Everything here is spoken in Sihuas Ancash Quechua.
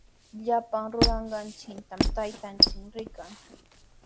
Llapan ruranqanchiktami taytanchik rikan.